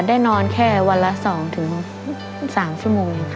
ได้นอนแค่วันละสองถึงสามชั่วโมง